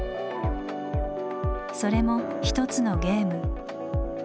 それも一つのゲーム。